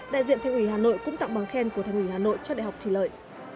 đại diện thành ủy hà nội cũng tặng bằng khen của thành ủy hà nội cho đại học thủy lợi